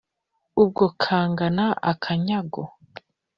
Ubwo kangana akanyago.